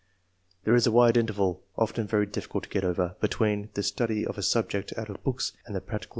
There is a wide interval, often very difficult to get over, between the study of a subject out of books and p 2 *< i»n , i til..